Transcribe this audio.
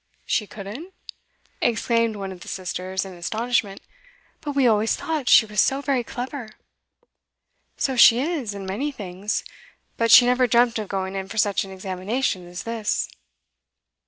'She couldn't?' exclaimed one of the sisters in astonishment. 'But we always thought she was so very clever.' 'So she is in many things. But she never dreamt of going in for such an examination as this.